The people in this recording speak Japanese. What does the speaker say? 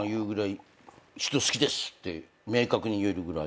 人好きですって明確に言えるぐらい。